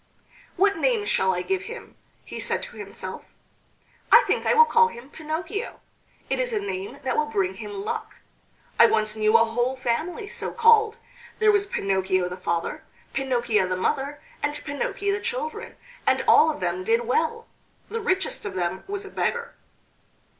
"What name shall I give him?" he said to himself; "I think I will call him Pinocchio. It is a name that will bring him luck. I once knew a whole family so called. There was Pinocchio the father, Pinocchia the mother, and Pinocchi the children, and all of them did well. The richest of them was a beggar."